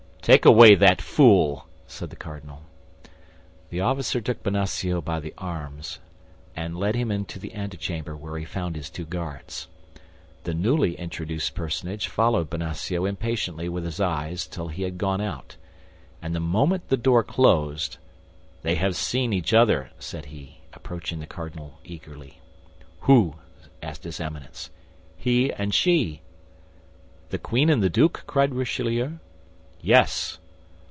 "Take away that fool!" said the cardinal. The officer took Bonacieux by the arm, and led him into the antechamber, where he found his two guards. The newly introduced personage followed Bonacieux impatiently with his eyes till he had gone out; and the moment the door closed, "They have seen each other;" said he, approaching the cardinal eagerly. "Who?" asked his Eminence. "He and she." "The queen and the duke?" cried Richelieu. "Yes."